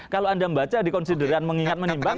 kalau anda baca di konsideran mengingat menimbang